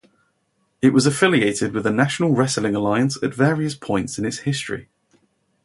It was affiliated with the National Wrestling Alliance at various points in its history.